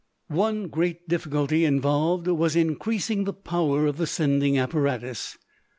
One great difficulty involved was in increasing the power of the sending apparatus.